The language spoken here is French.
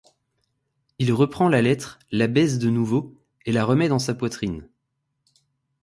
Il reprend la lettre, la baise de nouveau, et la remet dans sa poitrine.